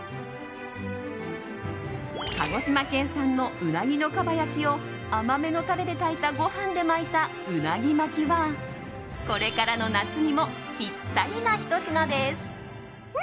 鹿児島県産うなぎのかば焼きを甘めのタレで炊いたご飯で巻いたうなぎ巻きはこれからの夏にもぴったりなひと品です。